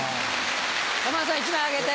山田さん１枚あげて。